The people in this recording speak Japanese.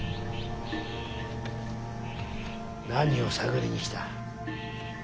何を探りに来た。